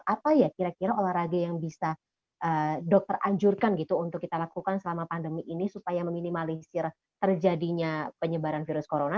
apa ya kira kira olahraga yang bisa dokter anjurkan gitu untuk kita lakukan selama pandemi ini supaya meminimalisir terjadinya penyebaran virus corona